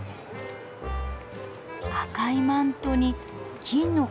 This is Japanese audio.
赤いマントに金の冠。